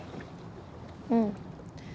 うん。